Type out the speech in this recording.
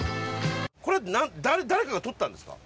これ誰かが撮ったんですか？